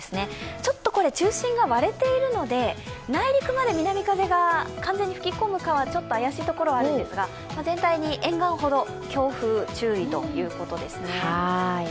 ちょっとこれ、中心が割れているので、内陸まで南風が完全に吹き込むかはちょっと怪しいところがあるんですが、全体に沿岸ほど強風注意ということですね。